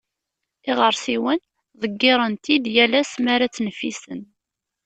Iɣersiwen, ḍeggiren-t-id yal ass mi ara ttneffisen.